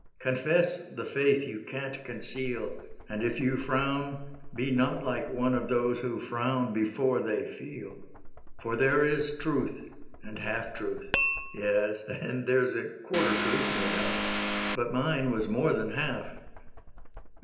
Confess the faith you can't conceal ; And if you frown, be not like one Of those who frown before they feel. " For there is truth, and half truth, — yes. And there 's a quarter truth, no doubt ; But mine was more than half.